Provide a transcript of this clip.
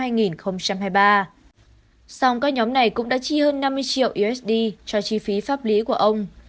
xong các nhóm này cũng đã chi hơn năm mươi triệu usd cho chi phí pháp lý của ông